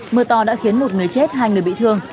mưa to đã khiến một người chết hai người bị thương